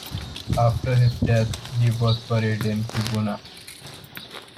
After his death, he was buried in Kubuna.